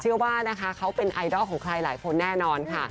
เชื่อว่านะคะเขาเป็นไอดอลของใครหลายคนแน่นอนค่ะ